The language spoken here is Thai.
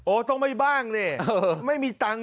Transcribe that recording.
ต้องไม่บ้างดิไม่มีตังค์